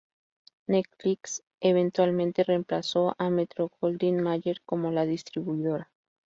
Netflix eventualmente reemplazó a Metro-Goldwyn-Mayer como la distribuidora.